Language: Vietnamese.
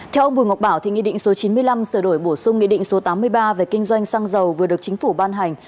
theo ông bùi ngọc bảo thì nghị định số chín mươi năm sửa đổi bổ sung nghị định số tám mươi ba về kinh doanh xăng dầu vừa được chính phủ ban hành